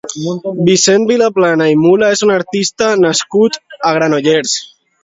Vicenç Viaplana i Mula és un artista nascut a Granollers.